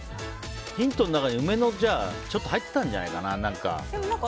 ヒントの中に梅のちょっと入ってたんじゃないかな。